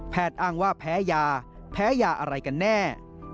อ้างว่าแพ้ยาแพ้ยาอะไรกันแน่